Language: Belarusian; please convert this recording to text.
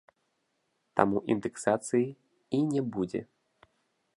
Таму індэксацыі і не будзе.